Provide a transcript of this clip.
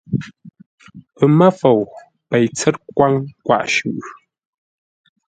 Pəmə́fou, Pei tsə́t kwáŋ kwaʼ shʉʼʉ.